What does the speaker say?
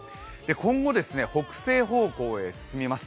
今後、北西方向へ進みます。